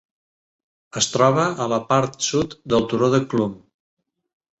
Es troba a la part sud del turó de Chlum.